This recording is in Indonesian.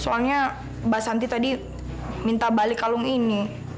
soalnya mbak santi tadi minta balik kalung ini